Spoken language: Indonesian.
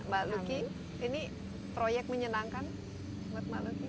mbak lucky ini proyek menyenangkan buat mbak luki